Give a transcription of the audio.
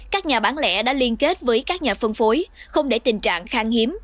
các nhà bán lẻ đã liên kết với các nhà phân phối không để tình trạng khang hiếm